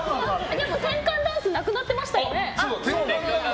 でも、転換ダンスなくなってましたよね。